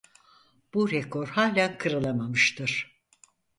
Bu rekor halen kırılamamıştır.